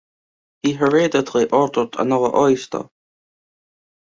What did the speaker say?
He hurriedly ordered another oyster.